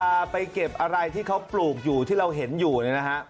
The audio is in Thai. เอาไปเก็บอะไรที่เขาปลูกอยู่ที่เราเห็นอยู่เนี่ยนะฮะ